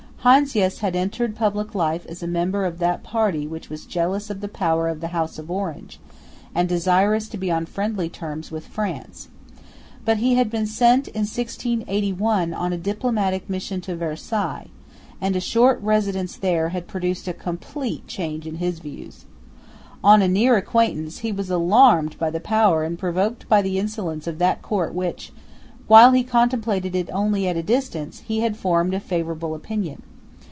Heinsius had entered public life as a member of that party which was jealous of the power of the House of Orange, and desirous to be on friendly terms with France. But he had been sent in 1681 on a diplomatic mission to Versailles; and a short residence there had produced a complete change in his views. On a near acquaintance, he was alarmed by the power and provoked by the insolence of that Court of which, while he contemplated it only at a distance, he had formed a favourable opinion.